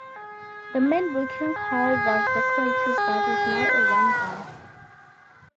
The main booking hall was decorative but is now a wine bar.